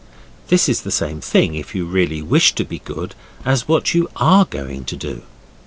This is the same thing, if you really wish to be good, as what you are going to do.